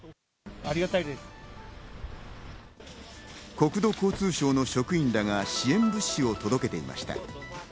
国土交通省の職員らが支援物資を届けていました。